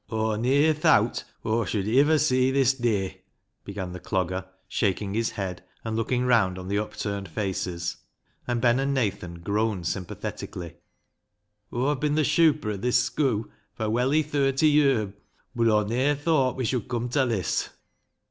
" Aw ne'er thowt Aw should iver see this day," began the Clogger, shaking his head and looking round on the upturned faces ; and Ben and Nathan groaned sympathetically. " Aw've bin th' shuper o' this schoo' for welly thirty ye'r, bud Aw ne'er thowt we should come ta this."